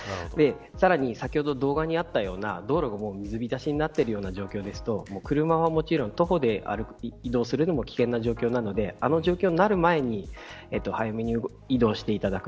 さらに先ほど動画にあったような道路が水浸しになっているような状況ですと車はもちろん、徒歩で移動するのも危険な状況なのであの状況になる前に早めに移動していただく。